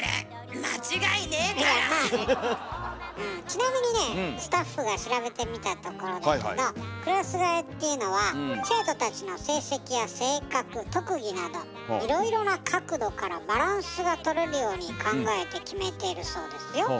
ちなみにねスタッフが調べてみたところだけどクラス替えっていうのは生徒たちの成績や性格特技などいろいろな角度からバランスがとれるように考えて決めてるそうですよ。